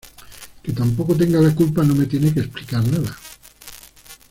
que tampoco tengo la culpa. no me tienes que explicar nada.